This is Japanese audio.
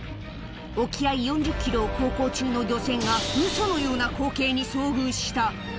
沖合４０キロを航行中の漁船が、ウソのような光景に遭遇した。